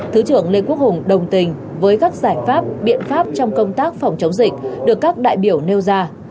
thứ trưởng lê quốc hùng đồng tình với các giải pháp biện pháp trong công tác phòng chống dịch được các đại biểu nêu ra